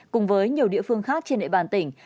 cùng với nhiều địa phương khác trên địa bàn tỉnh